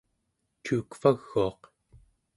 cuukvaguaq